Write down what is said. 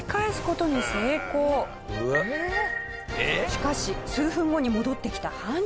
しかし数分後に戻ってきた犯人。